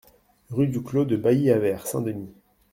Rue du Clos de Bailly à Vert-Saint-Denis